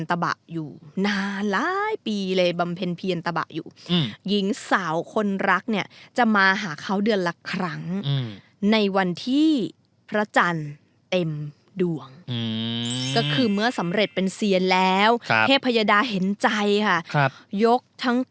ดูโรแมนติก